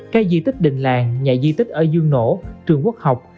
các di tích đình làng nhà di tích ở dương nổ trường quốc học